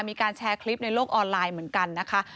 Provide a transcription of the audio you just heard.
มีการแชร์คลิปในโลกออนไลน์เหมือนกันนะคะ